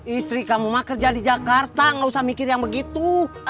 istri kamu mah kerja di jakarta gak usah mikir yang begitu